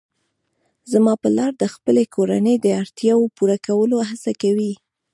زما پلار د خپلې کورنۍ د اړتیاوو پوره کولو هڅه کوي